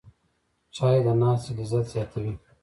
چای د ناستې لذت زیاتوي